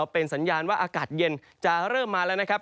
เป็นสัญญาณว่าอากาศเย็นจะเริ่มมาแล้วนะครับ